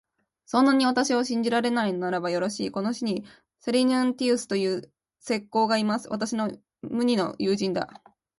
そんなに私を信じられないならば、よろしい、この市にセリヌンティウスという石工がいます。私の無二の友人だ。